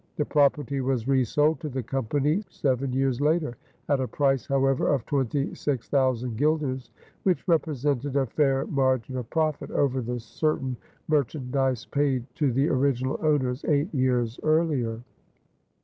The property was resold to the Company seven years later at a price, however, of twenty six thousand guilders, which represented a fair margin of profit over the "certain merchandise" paid to the original owners eight years earlier.